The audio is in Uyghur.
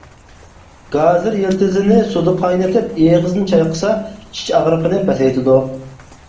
گازىر يىلتىزىنى سۇدا قاينىتىپ ئېغىزنى چايقىسا، چىش ئاغرىقىنى پەسەيتىدۇ.